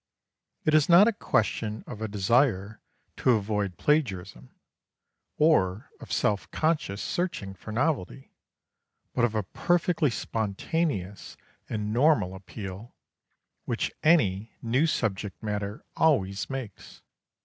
It is not a question of a desire to avoid plagiarism, or of self conscious searching for novelty, but of a perfectly spontaneous and normal appeal which any new subject matter always makes.